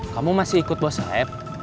kamu masih ikut bos saeb